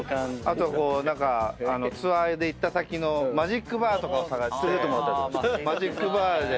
あとツアーで行った先のマジックバーとかを探してマジックバーで。